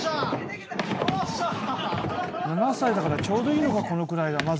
７歳だからちょうどいいのかこのくらいが。